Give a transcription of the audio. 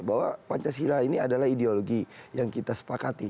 bahwa pancasila ini adalah ideologi yang kita sepakati